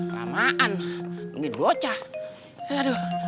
lamaan mungkin bocah aduh